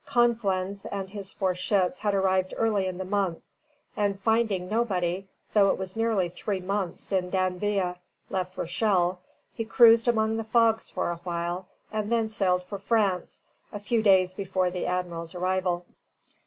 Conflans and his four ships had arrived early in the month, and finding nobody, though it was nearly three months since D'Anville left Rochelle, he cruised among the fogs for a while, and then sailed for France a few days before the Admiral's arrival.